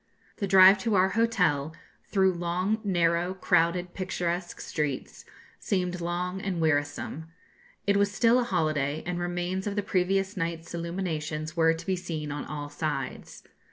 The drive to our hotel, through long, narrow, crowded, picturesque streets, seemed long and wearisome. It was still a holiday, and remains of the previous night's illuminations were to be seen on all sides.